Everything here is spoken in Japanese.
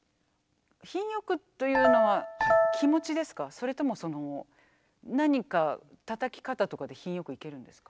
それともその何かたたき方とかで品良くいけるんですか？